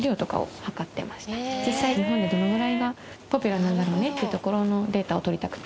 実際日本でどのぐらいがポピュラーなんだろうねっていうところのデータを取りたくてやってます。